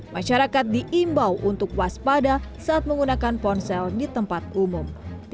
masyarakat diimbau untuk waspada saat menggunakan ponsel di tempat umum